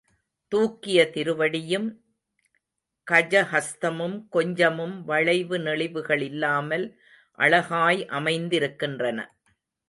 தூக்கிய திருவடியும் கஜஹஸ்தமும் கொஞ்சமும் வளைவு நெளிவுகள் இல்லாமல் அழகாய் அமைந்திருக்கின்றன.